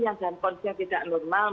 yang gantungnya tidak normal